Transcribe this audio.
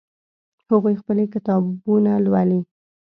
هغوی خپلې کتابونه لولي